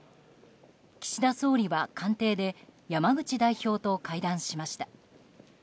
岸田総理は官邸で山口代表と会談しました。